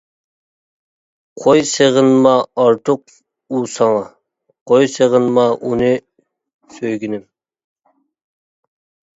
قوي سېغىنما ئارتۇق ئۇ ساڭا، قوي سېغىنما ئۇنى سۆيگىنىم.